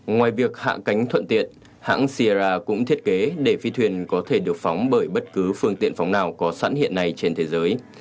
ngoài việc hạ cánh thuận tiện hãng sierra cũng thiết kế để phi thuyền có thể được phóng bởi bất cứ phương tiện phóng nào có sẵn hiện nay trên thế giới